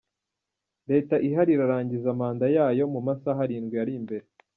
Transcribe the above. Leta ihari irarangiza manda yayo mu masaha arindwi ari imbere.